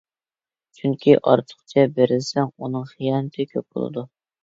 چۈنكى ئارتۇقچە بېرىلسەڭ ئۇنىڭ خىيانىتى كۆپ بولىدۇ.